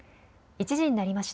１時になりました。